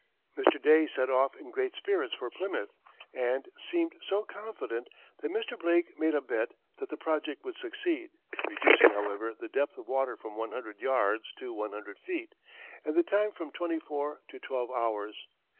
Day set off in great spirits for Plymouth, and seemed so confident, that Mr. Blake made a bett that the project would succeed, reducing, however, the depth of water from 100 yards to 100 feet, and the time from 24 to 12 hours.